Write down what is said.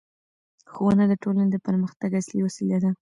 ښوونه د ټولنې د پرمختګ اصلي وسیله ده